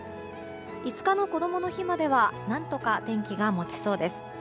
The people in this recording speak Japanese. ５日のこどもの日までは何とか天気が持ちそうです。